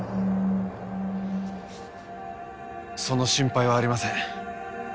その心配はありません。